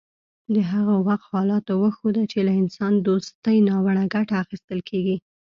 د هغه وخت حالاتو وښوده چې له انسان دوستۍ ناوړه ګټه اخیستل کیږي